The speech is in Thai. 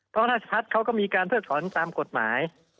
เพราะราชพัฒน์เขาก็มีการเพิกถอนตามกฎหมาย